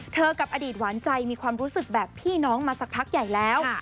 กับอดีตหวานใจมีความรู้สึกแบบพี่น้องมาสักพักใหญ่แล้ว